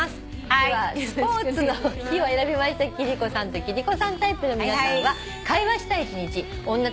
では「スポーツの日」を選びました貴理子さんと貴理子さんタイプの皆さんは。